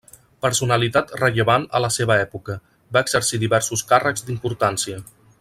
Personalitat rellevant a la seva època, va exercir diversos càrrecs d'importància.